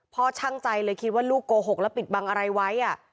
ช่างใจเลยคิดว่าลูกโกหกและปิดบังอะไรไว้